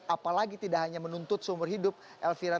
apalagi tidak hanya menuntut seumur hidup elvira